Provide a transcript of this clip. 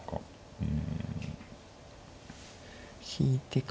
うん。